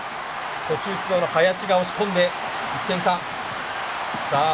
途中出場の林が押し込んで１点差。